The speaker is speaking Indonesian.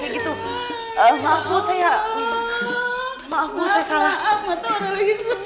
ibu harus hidup